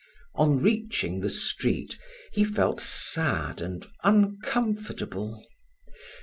On reaching the street he felt sad and uncomfortable.